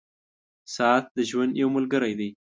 • ساعت د ژوند یو ملګری دی.